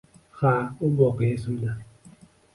Ha, u voqea esimda